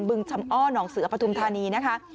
ึงชำอ้อหนองเสือปฐุมธานีนะคะ